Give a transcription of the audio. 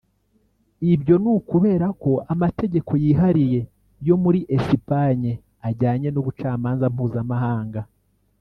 Ibyo ni ukubera ko amategeko yihariye yo muri Esipanye ajyanye n’ubucamanza mpuzamahanga